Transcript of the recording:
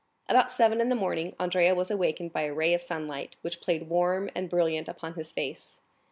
About seven in the morning Andrea was awakened by a ray of sunlight, which played, warm and brilliant, upon his face.